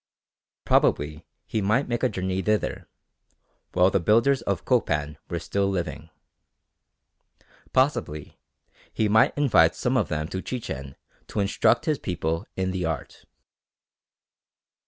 Probably he might make a journey thither, while the builders of Copan were still living. Possibly he might invite some of them to Chichen to instruct his people in the art.